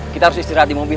kita harus istirahat di mobil